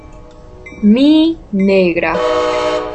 Mi negra.